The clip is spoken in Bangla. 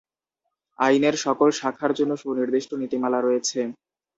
আইনের সকল শাখার জন্য সুনির্দিষ্ট নীতিমালা রয়েছে।